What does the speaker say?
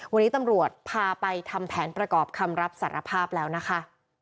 วันนี้ตำรวจพาไปทำแผนประกอบคำรับสารภาพแล้วนะคะ